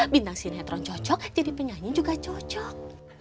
bintang sinetron cocok jadi penyanyi juga cocok